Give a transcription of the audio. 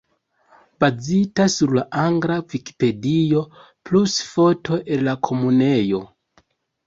Bazita sur la angla Vikipedio, plus foto el la Komunejo.